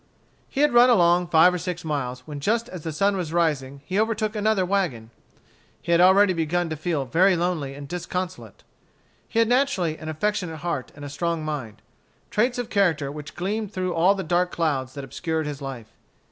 He had run along five or six miles, when just as the sun was rising he overtook another wagon. He had already begun to feel very lonely and disconsolate. He had naturally an affectionate heart and a strong mind; traits of character which gleamed through all the dark clouds that obscured his life.